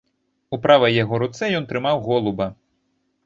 У правай яго руцэ ён трымаў голуба.